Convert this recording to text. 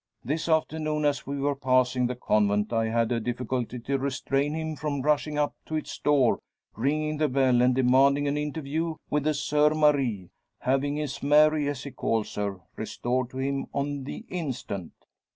This afternoon as we were passing the Convent I had a difficulty to restrain him from rushing up to its door, ringing the bell, and demanding an interview with the `Soeur Marie' having his Mary, as he calls her, restored to him on the instant."